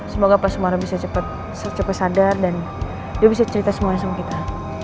semoga pak sumara bisa cepat sadar dan dia bisa cerita semuanya sama kita